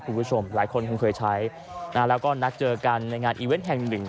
คุณผู้ชมหลายคนคงเคยใช้แล้วก็นัดเจอกันในงานอีเวนต์แห่งหนึ่ง